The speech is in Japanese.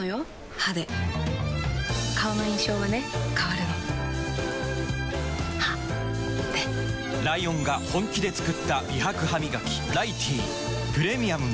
歯で顔の印象はね変わるの歯でライオンが本気で作った美白ハミガキ「ライティー」プレミアムも